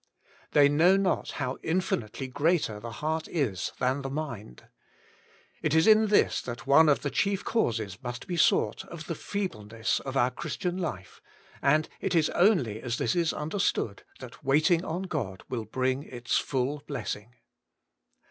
They know not how infinitely greater the heart is than the mind. It is in this that one of the chief causes must be sought of the feebleness of our Christian life, and it is only as this is understood that waiting on God will bring its full blessing.